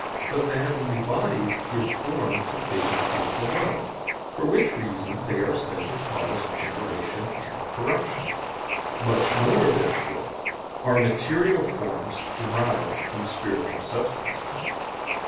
But the heavenly bodies give form to things here below, for which reason they are said to cause generation and corruption. Much more, therefore, are material forms derived from spiritual substances.